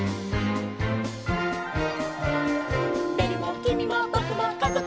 「べるもきみもぼくもかぞくも」